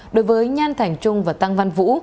đối với nhan thành trung và tăng văn vũ